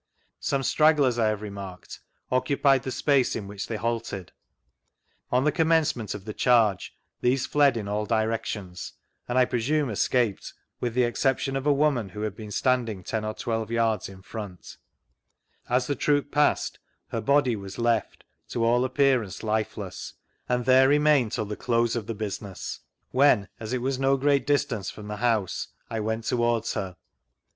Some stragglers, I have remarked, occu [ried the space in which they halted. On the commencement of the charge, these fled in all directions; and I presume escaped, with the exception of a woman who had been standing ten or twdve yards in front ; as the troop passed her body was left, to all appearance lifeless ; and there remained till the close oi the business, when, as it was no great distance from the house, I went towards her.